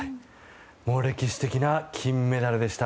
歴史的な金メダルでした。